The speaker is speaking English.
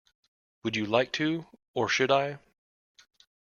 Would you like to, or should I?